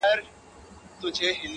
دغه رنگينه او حسينه سپوږمۍ_